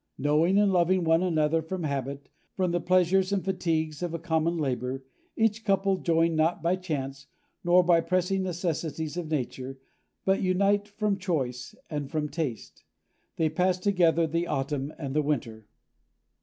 Knowing and loving one another from habit, from the pleasures and fatigues of a common labor, each couple join not by chance, nor by the pressing necessities of nature, but unite from choice and from taste. They pass together the autumn and the winter.